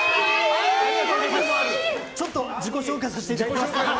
ちょっと自己紹介させていただきます。